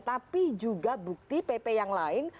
tapi juga bukti pp yang lain